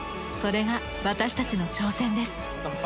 それが私たちの挑戦です。